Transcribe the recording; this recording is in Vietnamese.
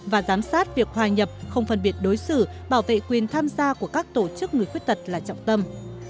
và giám sát việc hòa nhập không phân biệt đối xử bảo vệ quyền tham gia của các tổ chức người khuyết tật là trọng tâm